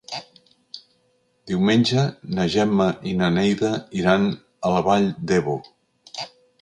Diumenge na Gemma i na Neida iran a la Vall d'Ebo.